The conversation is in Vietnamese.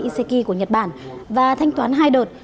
iseki của nhật bản và thanh toán hai đợt